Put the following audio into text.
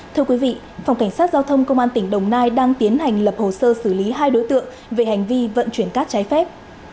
thưa quý vị phòng cảnh sát giao thông công an tỉnh đồng nai đang tiến hành lập hồ sơ xử lý hai đối tượng về hành vi vận chuyển cát trái phép